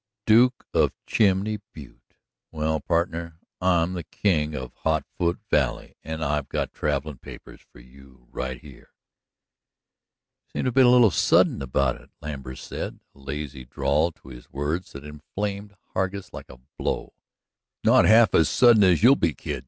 "Duke of Chimney Butte! Well, pardner, I'm the King of Hotfoot Valley, and I've got travelin' papers for you right here!" "You seem to be a little sudden about it," Lambert said, a lazy drawl to his words that inflamed Hargus like a blow. "Not half as sudden as you'll be, kid.